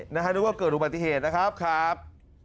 นึกว่าเกิดอุบัติเหตุนะครับครับ